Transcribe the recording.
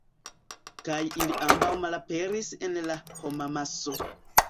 Kaj ili ambaŭ malaperis en la homamaso.